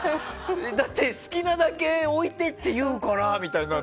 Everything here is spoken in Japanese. だって好きなだけ置いてっていうからって。